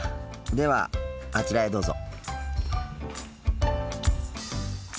ではあちらへどうぞ。